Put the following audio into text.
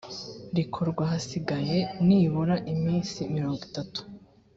rikorwa hasigaye nibura iminsi mirongo itatu